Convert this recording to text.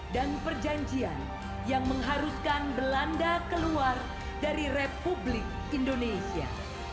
dan perjanjian yang mengharuskan belanda keluar dari republik indonesia